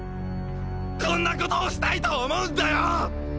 こんなことをしたいと思うんだよ！！